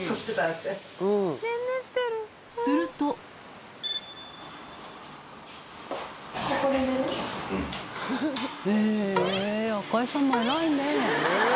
するとえぇ赤井さんも偉いね。